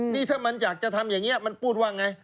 นี่ถ้ามันอยากจะทำอย่างนี้มันพูดว่าไง